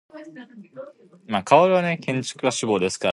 Tataryn was a retired police officer.